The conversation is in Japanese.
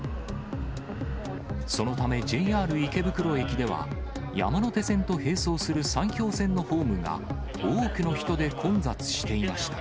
そのためＪＲ池袋駅では、山手線と並走する埼京線のホームが、多くの人で混雑していました。